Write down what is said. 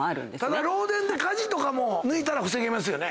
ただ漏電で火事とかも抜いたら防げますよね？